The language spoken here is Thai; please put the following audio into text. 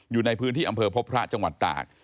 อยู่ในพื้นที่อำเภอพบพระจังหวัดตาก